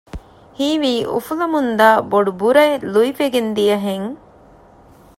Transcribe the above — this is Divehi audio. ހީވީ އުފުލަމުންދާ ބޮޑު ބުރައެއް ލުއިވެގެން ދިޔަ ހެން